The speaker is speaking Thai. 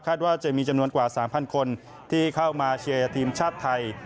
ว่าจะมีจำนวนกว่า๓๐๐คนที่เข้ามาเชียร์ทีมชาติไทย